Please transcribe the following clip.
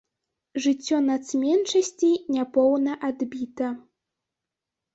Жыццё нацменшасцей няпоўна адбіта.